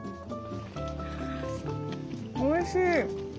おいしい！